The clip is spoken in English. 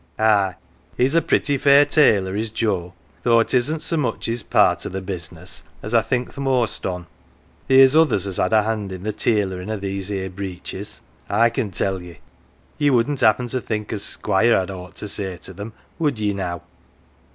Ah, he's a pretty fair tailor is Joe, though "t isn't so much his part o 1 the business as I think th' most on. Theer's others as has had a hand i" 1 th' tailorin 1 o 1 these here breeches, I can tell ye. Ye wouldn't happen think as Squire had aught to say to them, would ye now